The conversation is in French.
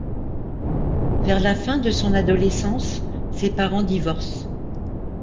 Vers la fin de son adolescence, ses parents divorcent.